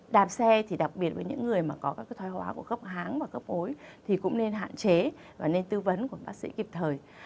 đạp xe thì đặc biệt với những người mà có các thói hóa của gốc háng và gốc ối thì cũng nên hạn chế và nên tư vấn của bác sĩ kịp thời